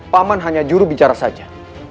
paman hanya juru bicara saja